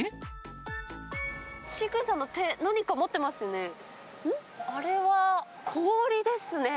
飼育さんの手、何か持ってますね。